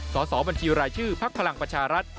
ขอสอบัญชีรายชื่อภักดิ์พลังประชารัฐ